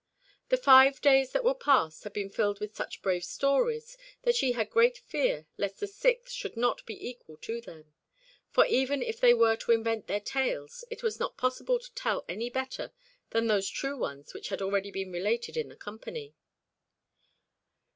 The five days that were past had been filled with such brave stories, that she had great fear lest the sixth should not be equal to them; for, even if they were to invent their tales, it was not possible to tell any better than those true ones which had already been related in the company.